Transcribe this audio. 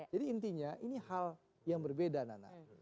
intinya ini hal yang berbeda nana